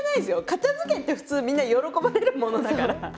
片づけって普通みんな喜ばれるものだから。